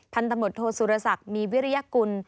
พันธบทโทสุรสักมีวิริยกุล